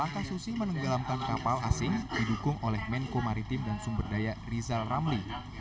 langkah susi menenggelamkan kapal asing didukung oleh menko maritim dan sumber daya rizal ramli